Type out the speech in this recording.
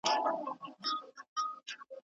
بې سهاره،